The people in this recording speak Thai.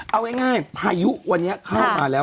เอาง่ายพายุวันนี้เข้ามาแล้ว